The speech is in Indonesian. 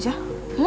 terserah kamu aja